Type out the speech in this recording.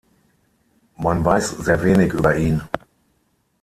Man weiß sehr wenig über ihn.